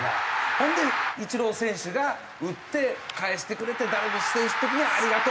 ほんでイチロー選手が打って返してくれてダルビッシュ選手的にはありがとう。